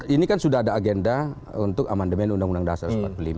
ini kan sudah ada agenda untuk amandemen undang undang dasar empat puluh lima